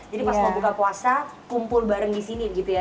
jadi pas mau buka puasa kumpul bareng disini gitu ya